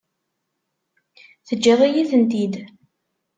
Teǧǧiḍ-iyi-tent-id.